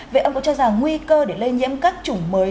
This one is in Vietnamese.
vậy ông có cho rằng nguy cơ để lây nhiễm các chủng mới